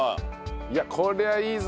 いやあこりゃあいいぞ。